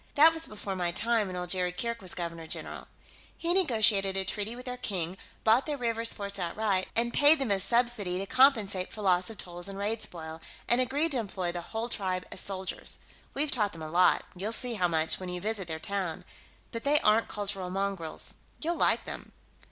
That was before my time, when old Jerry Kirke was Governor General. He negotiated a treaty with their King, bought their rievers' forts outright, and paid them a subsidy to compensate for loss of tolls and raid spoil, and agreed to employ the whole tribe as soldiers. We've taught them a lot you'll see how much when you visit their town but they aren't cultural mongrels. You'll like them."